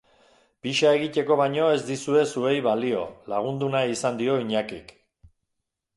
Pixa egiteko baino ez dizue zuei balio, lagundu nahi izan dio Iñakik.